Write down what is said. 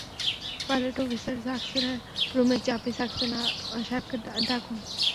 Pilot officer সাক্সেনার রুমের চাবি সাক্সেনা সাহেবকে ডাকুন।